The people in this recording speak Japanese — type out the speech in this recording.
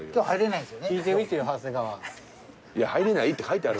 いや入れないって書いてある。